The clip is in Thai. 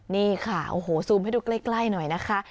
นี่ค่ะโอ้โหซูมให้ดูใกล้หน่อยนะคะ